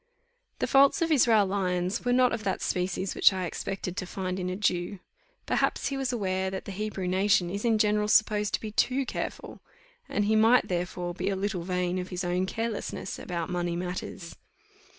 The faults of Israel Lyons were not of that species which I expected to find in a Jew. Perhaps he was aware that the Hebrew nation is in general supposed to be too careful, and he might, therefore, be a little vain of his own carelessness about money matters.